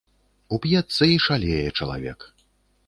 Уп'ецца і шалее чалавек.